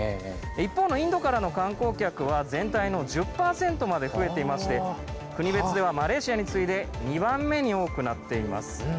一方のインドからの観光客は全体の１０％まで増えていまして国別では、マレーシアに次いで２番目に多くなっています。